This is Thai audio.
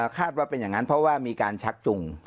คาดว่าเป็นอย่างนั้นเพราะว่ามีการชักจุง